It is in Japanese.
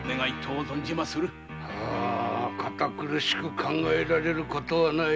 堅苦しく考えられる事はない。